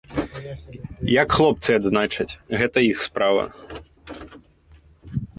Як хлопцы адзначаць, гэта іх справа.